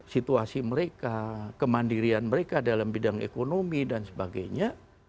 situasi mereka kemandirian mereka dalam bidang ekonomi dan sebagainya